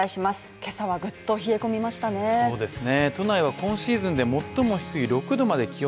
今朝はぐっと冷え込みましたね